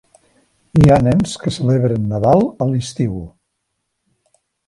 Hi ha nens que celebren Nadal a l'estiu.